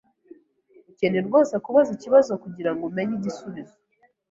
Ukeneye rwose kubaza ikibazo kugirango umenye igisubizo?